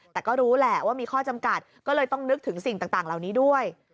แต่ก็รู้แหละว่ามีข้อจำกัดก็เลยต้องนึกถึงสิ่งต่างเหล่านี้ด้วย